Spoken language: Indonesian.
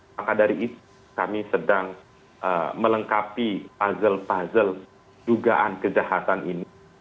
maka dari itu kami sedang melengkapi puzzle puzzle dugaan kejahatan ini